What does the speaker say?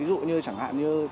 ví dụ như chẳng hạn như có xảy ra